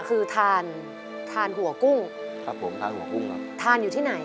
เปลี่ยนเพลงเพลงเก่งของคุณและข้ามผิดได้๑คำ